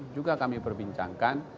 juga kami perbincangkan